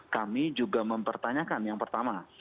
kami juga mempertanyakan yang pertama